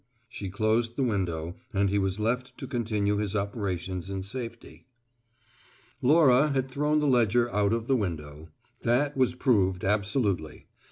She closed the window, and he was left to continue his operations in safety. Laura had thrown the ledger out of the window; that was proved absolutely.